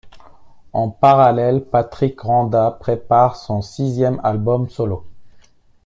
En parallèle, Patrick Rondat prépare son sixième album solo.